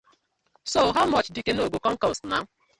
So how much the canoe go com cost naw?